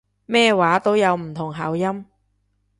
咩話都有唔同口音